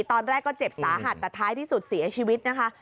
ตอนแรกก็เจ็บสาหัสแต่ท้ายที่สุดเสียชีวิตนะคะ